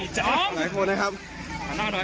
ดูสิคะแต่ละคนกอดคอกันหลั่นน้ำตา